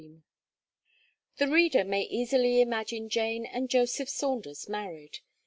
The reader may easily imagine Jane and Joseph Saunders married.